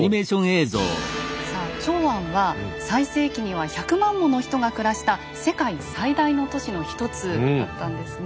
さあ長安は最盛期には１００万もの人が暮らした世界最大の都市のひとつだったんですね。